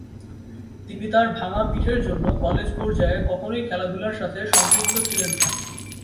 তিনি তার ভাঙ্গা পিঠের জন্য কলেজ পর্যায়ে কখনোই খেলাধুলার সাথে সম্পৃক্ত ছিলেন না।